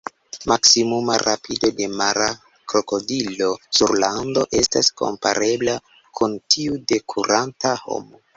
Maksimuma rapido de mara krokodilo sur lando estas komparebla kun tiu de kuranta homo.